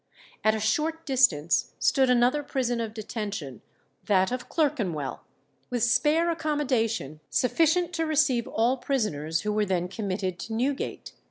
At a short distance stood another prison of detention, that of Clerkenwell, with spare accommodation sufficient to receive all prisoners who were then committed to Newgate.